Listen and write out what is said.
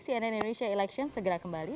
cnn indonesia election segera kembali